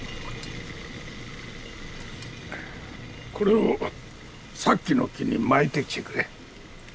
これをさっきの木に巻いてきてくれ。